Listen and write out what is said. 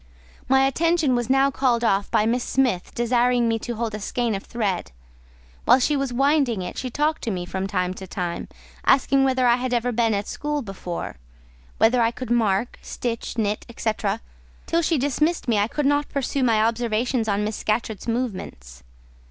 My attention was now called off by Miss Smith desiring me to hold a skein of thread: while she was winding it, she talked to me from time to time, asking whether I had ever been at school before, whether I could mark, stitch, knit, &c. till she dismissed me, I could not pursue my observations on Miss Scatcherd's movements.